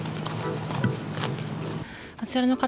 あちらの方